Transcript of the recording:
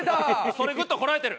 それグッとこらえてる。